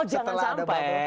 insya allah jangan sampai